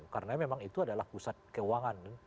karena memang itu adalah pusat keuangan